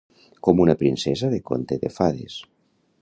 Com una princesa de conte de fades.